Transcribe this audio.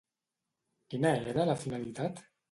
Quina era la finalitat?